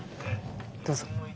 どうぞ。